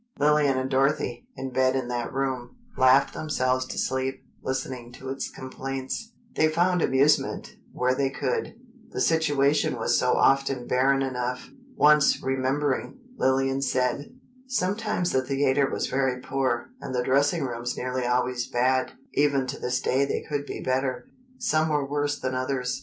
Lillian and Dorothy, in bed in that room, laughed themselves to sleep, listening to its complaints. They found amusement where they could—the situation was so often barren enough. Once, remembering, Lillian said: "Sometimes the theatre was very poor, and the dressing rooms nearly always bad (even to this day they could be better). Some were worse than others.